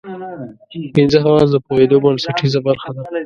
پنځه حواس د پوهېدو بنسټیزه برخه ده.